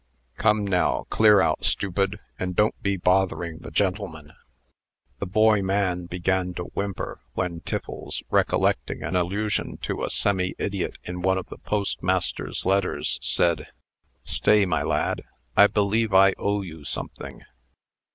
Come, now, clear out, Stupid, and don't be bothering the gentleman." The boy man began to whimper, when Tiffles, recollecting an allusion to a semi idiot in one of the postmaster's letters, said: "Stay, my lad; I believe I owe you something."